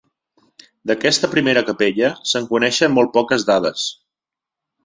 D'aquesta primera capella se'n coneixen molt poques dades.